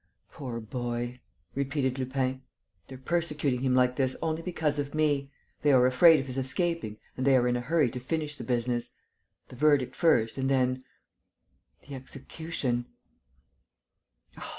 "Poor boy!" repeated Lupin. "They're persecuting him like this only because of me. They are afraid of his escaping and they are in a hurry to finish the business: the verdict first and then ... the execution....